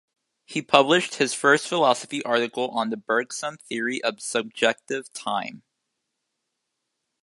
He published his first philosophy article on the Bergson theory of subjective time.